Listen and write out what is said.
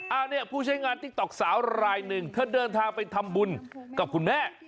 อันนี้ผู้ใช้งานติ๊กต๊อกสาวรายหนึ่งเธอเดินทางไปทำบุญกับคุณแม่